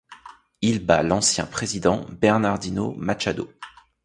Il bat l'ancien Président Bernardino Machado.